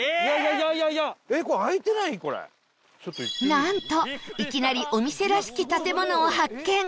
なんといきなりお店らしき建物を発見